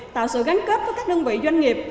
tạo sự gắn kết với các đơn vị doanh nghiệp